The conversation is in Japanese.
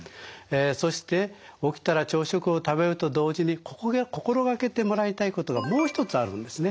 そして起きたら朝食を食べると同時に心掛けてもらいたいことがもう一つあるんですね。